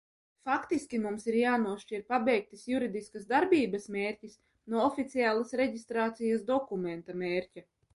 Faktiski mums ir jānošķir pabeigtas juridiskas darbības mērķis no oficiāla reģistrācijas dokumenta mērķa.